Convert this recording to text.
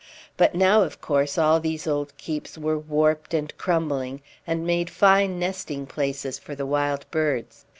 But now, of course, all these old keeps were warped and crumbling, and made fine nesting places for the wild birds.